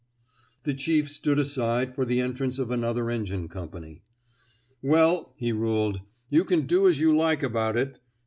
'' The chief stood aside for the entrance of another engine company. '* Well," he ruled, '' you can do as you like about it.